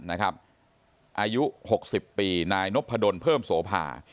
อายุ๖๐ปีนายนพดลเพิ่มโสภา